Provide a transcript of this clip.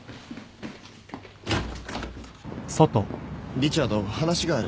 リチャード話がある。